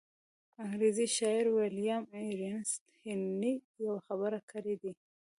انګرېز شاعر ويليام ايرنيسټ هينلي يوه خبره کړې ده.